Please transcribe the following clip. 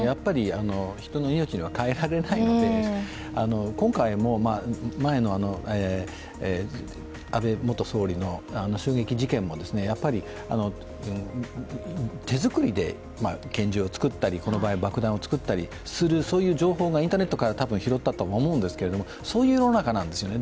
人の命には代えられないので、今回も、安倍元総理の襲撃事件も手作りで拳銃を作ったり、この場合、爆弾を作ったりする、そういう情報がインターネットから多分拾ったと思うんですけどそういう世の中なんですよね。